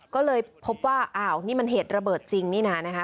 ก็เลยพบว่าอ้าวนี่มันเหตุระเบิดจริงนี่นะนะคะ